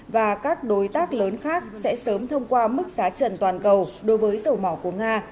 và các đối tác lớn khác sẽ sớm thông qua mức giá trần toàn cầu đối với dầu mỏ của nga